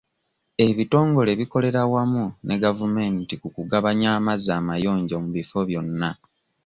Ebitongole bikolera wamu ne gavumneti mu kugabanya amazzi amayonjo mu bifo byonna.